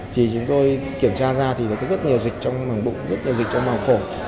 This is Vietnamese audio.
thì chúng tôi kiểm tra ra thì có rất nhiều dịch trong màng bụng rất nhiều dịch trong màng phổ